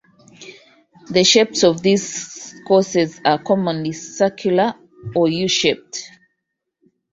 The shapes of these courses are commonly circular or U-shaped.